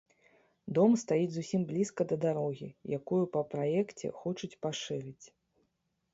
Дом стаіць зусім блізка да дарогі, якую па праекце хочуць пашырыць.